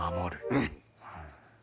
うん！